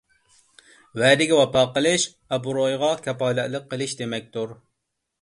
ۋەدىگە ۋاپا قىلىش — ئابرۇيغا كاپالەتلىك قىلىش دېمەكتۇر.